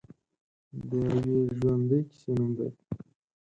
د یوې ژوندۍ کیسې نوم دی.